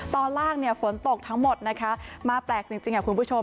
ตอนล่างฝนตกทั้งหมดนะคะมาแปลกจริงคุณผู้ชม